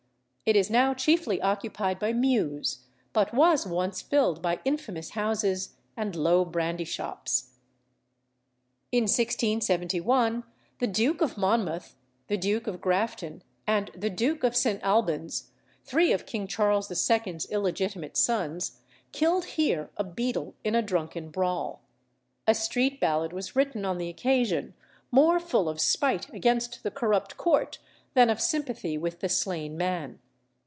It is now chiefly occupied by mews, but was once filled by infamous houses and low brandy shops. In 1671, the Duke of Monmouth, the Duke of Grafton, and the Duke of St. Alban's, three of King Charles II.'s illegitimate sons, killed here a beadle in a drunken brawl. A street ballad was written on the occasion, more full of spite against the corrupt court than of sympathy with the slain man.